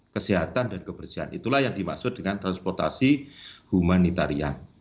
kesehatan dan kebersihan itulah yang dimaksud dengan transportasi humanitarian